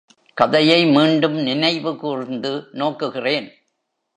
கதையை மீண்டும் நினைவு கூர்ந்து நோக்குகிறேன்.